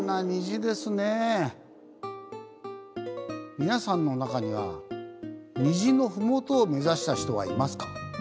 皆さんの中には虹の麓を目指した人はいますか？